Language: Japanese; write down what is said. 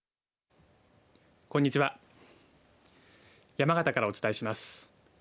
山形からお伝えします。